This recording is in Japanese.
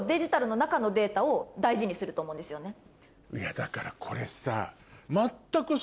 だからこれさ。